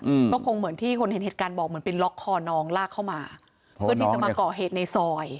อืมก็คงเหมือนที่คนเห็นเหตุการณ์บอกเหมือนไปล็อกคอน้องลากเข้ามาเพื่อที่จะมาก่อเหตุในซอย